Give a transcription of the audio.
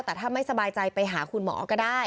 แต่ถ้าไม่สบายใจไปหาคุณหมอก็ได้